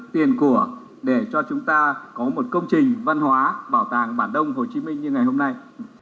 tiền của để cho chúng ta có một công trình văn hóa bảo tàng bản đông hồ chí minh như ngày hôm nay